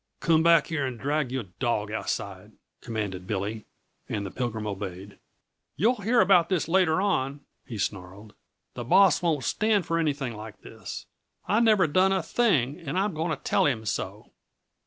"Come back here, and drag your dawg outside," commanded Billy, and the Pilgrim obeyed. "You'll hear about this later on," he snarled. "The boss won't stand for anything like this. I never done a thing, and I'm going to tell him so."